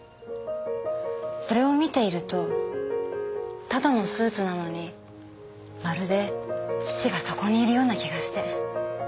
それを見ているとただのスーツなのにまるで父がそこにいるような気がして。